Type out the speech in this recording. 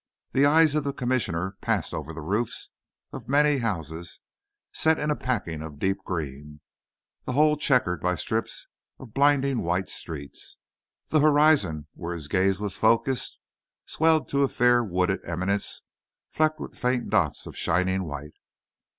The eyes of the Commissioner passed over the roofs of many houses set in a packing of deep green, the whole checkered by strips of blinding white streets. The horizon, where his gaze was focussed, swelled to a fair wooded eminence flecked with faint dots of shining white.